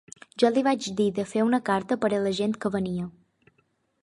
Jo li vaig dir de fer una carta per a la gent que venia.